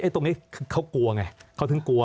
ตรงนี้เขากลัวไงเขาถึงกลัว